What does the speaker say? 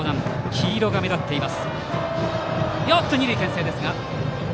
黄色が目立っています。